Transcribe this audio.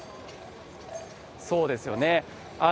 そうですよね。